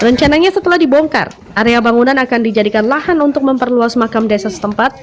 rencananya setelah dibongkar area bangunan akan dijadikan lahan untuk memperluas makam desa setempat